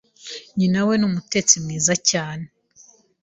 Nyinawe wa ni umutetsi mwiza cyane.